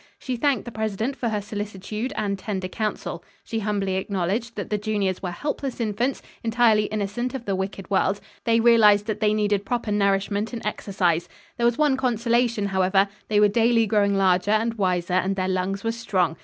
She thanked the president for her solicitude and tender counsel. She humbly acknowledged that the juniors were helpless infants, entirely innocent of the wicked world. They realized that they needed proper nourishment and exercise. There was one consolation however, they were daily growing larger and wiser, and their lungs were strong.